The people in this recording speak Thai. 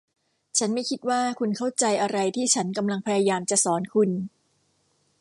ฉันไม่คิดว่าคุณเข้าใจอะไรที่ฉันกำลังพยายามจะสอนคุณ